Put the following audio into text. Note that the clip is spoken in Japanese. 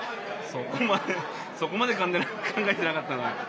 そこまでそこまでかんがえてなかったな。